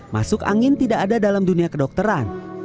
masuk angin tidak ada dalam dunia kedokteran